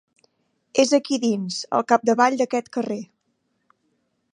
És aquí dins, al capdavall d'aquest carrer.